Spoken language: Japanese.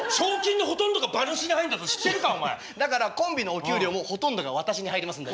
だからコンビのお給料もほとんどが私に入りますんで。